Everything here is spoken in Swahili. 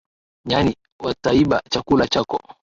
Nyani wataiba chakula chako